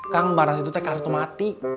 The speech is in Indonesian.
kang barnas itu tekanan mati